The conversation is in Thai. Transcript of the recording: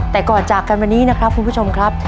แต่ก่อนจากกันวันนี้นะครับคุณผู้ชมครับ